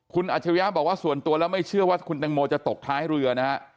คุณอัจฉริยะบอกว่าส่วนตัวแล้วไม่เชื่อว่าคุณแตงโมจะตกท้ายเรือนะฮะ